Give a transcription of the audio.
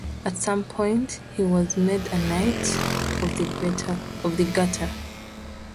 At some point he was made a Knight of the Garter.